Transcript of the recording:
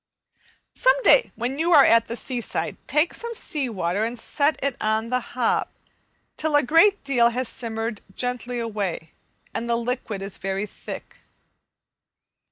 Some day, when you are at the seaside, take some extra water and set it on the hob till a great deal has simmered gently away, and the liquid is very thick.